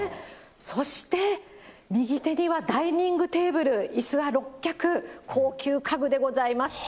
そして右手にはダイニングテーブル、いすは６脚、高級家具でございます。